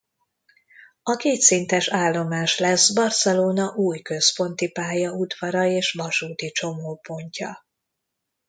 A kétszintes állomás lesz Barcelona új központi pályaudvara és vasúti csomópontja.